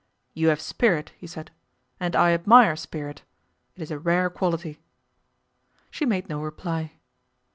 'You have spirit,' he said, 'and I admire spirit. It is a rare quality.' She made no reply.